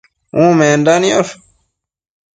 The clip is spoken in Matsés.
Umenda niosh